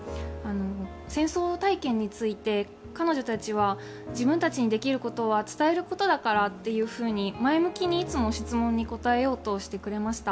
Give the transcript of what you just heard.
戦争体験について彼女たちは自分たちにできることは伝えることだからと前向きにいつも質問に答えようとしてくれました。